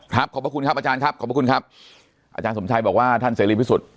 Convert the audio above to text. ขอบพระคุณครับอาจารย์ครับขอบพระคุณครับอาจารย์สมชัยบอกว่าท่านเสรีพิสุทธิ์